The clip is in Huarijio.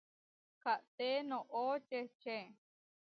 Kaʼté noʼó čečé!